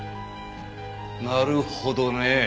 なるほどね。